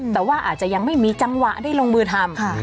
แต่ว่าอาจจะยังไม่มีจังหวะได้ลงมือทำ